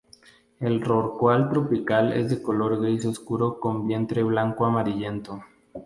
El rorcual tropical es de color gris oscuro con vientre blanco-amarillento.